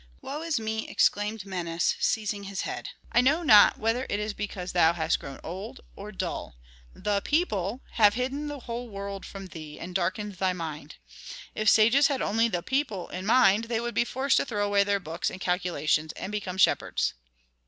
"Woe is me!" exclaimed Menes, seizing his head. "I know not whether it is because thou hast grown old, or dull; 'the people' have hidden the whole world from thee and darkened thy mind. If sages had only the people in mind they would be forced to throw away their books and calculations and become shepherds."